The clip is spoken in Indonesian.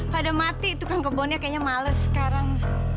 pada mati itu kan kebonnya kayaknya males sekarang